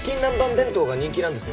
弁当が人気なんですよ。